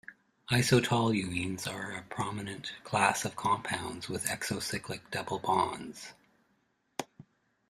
Isotoluenes are a prominent class of compounds with exocyclic double bonds.